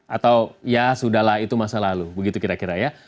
atau ya sudah lah itu masa lalu begitu kira kira ya